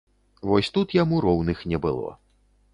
Вось тут яму роўных не было.